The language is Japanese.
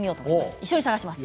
一緒に探します。